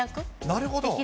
なるほど。